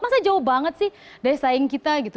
masa jauh banget sih daya saing kita gitu